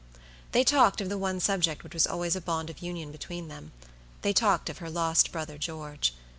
They talked of the one subject which was always a bond of union between them. They talked of her lost brother George.